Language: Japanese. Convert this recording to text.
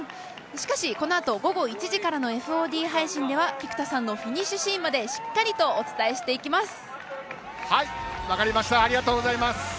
しかし、このあと午後１時からのＦＯＤ配信では菊田さんのフィニッシュシーンまでありがとうございます。